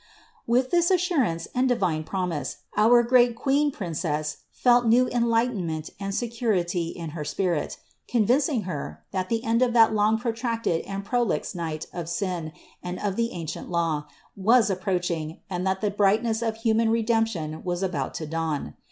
95. With this assurance and divine promise our great Queen Princess felt new enlightenment and security in her spirit, convincing Her, that the end of that long pro tracted and prolix night of sin and of the ancient Law was approaching and that the brightness of human Re demption was about to dawn.